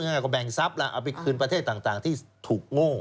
แล้วก็เอาไปแบ่งสับและเอาไปคืนประเทศต่างที่ถูกโง่